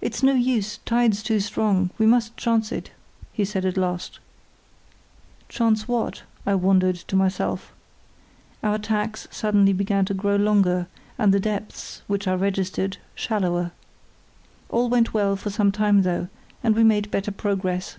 "It's no use, tide's too strong; we must chance it," he said at last. "Chance what?" I wondered to myself. Our tacks suddenly began to grow longer, and the depths, which I registered, shallower. All went well for some time though, and we made better progress.